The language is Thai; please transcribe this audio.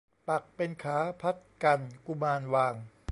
ปักเป็นขาพัดกันกุมารวาง